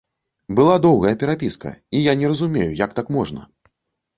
Была доўгая перапіска, я не разумею, як так можна.